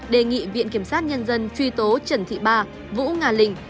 đề nghị viện kiểm sát nhân dân truy tố trần thị ba vũ nga linh